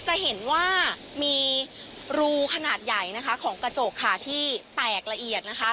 จะเห็นว่ามีรูขนาดใหญ่นะคะของกระจกค่ะที่แตกละเอียดนะคะ